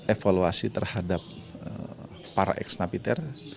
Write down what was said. evaluasi terhadap para ex napiter